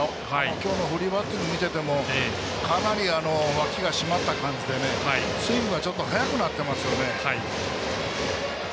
今日のフリーバッティング見ていても、かなりわきが締まった感じでスイングが速くなってますよね。